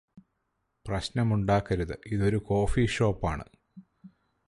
പ്രശ്നമുണ്ടാക്കരുത് ഇതൊരു കോഫി ഷോപ്പാണ്